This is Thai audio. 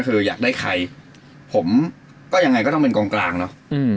คืออยากได้ใครผมก็ยังไงก็ต้องเป็นกองกลางเนอะ